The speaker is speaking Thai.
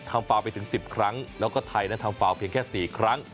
ฟาวไปถึง๑๐ครั้งแล้วก็ไทยนั้นทำฟาวเพียงแค่๔ครั้ง